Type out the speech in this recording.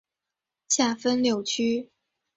下分六区。